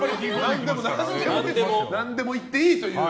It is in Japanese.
何でもいっていいという。